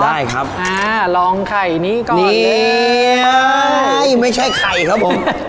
ได้ครับอ่าลองไข่นี้ก่อนนี่ไม่ใช่ไข่ครับผม